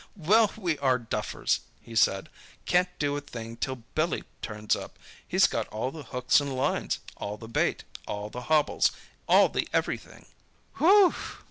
"Well, we are duffers," he said. "Can't do a thing till Billy turns up. He's got all the hooks and lines, all the bait, all the hobbles, all the everything!" "Whew w!"